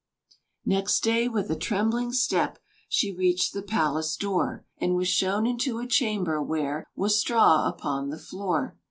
Next day, with a trembling step, She reached the palace door, And was shown into a chamber, where Was straw upon the floor.